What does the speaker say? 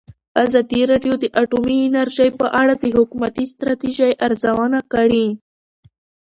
ازادي راډیو د اټومي انرژي په اړه د حکومتي ستراتیژۍ ارزونه کړې.